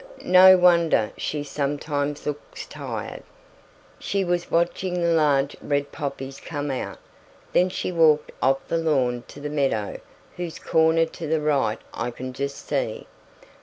No wonder she sometimes looks tired. She was watching the large red poppies come out. Then she walked off the lawn to the meadow, whose corner to the right I can just see.